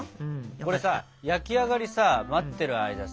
これさ焼き上がりさ待ってる間さ